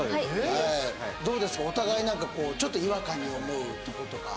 はいどうですかお互い何かこうちょっと違和感に思うとことか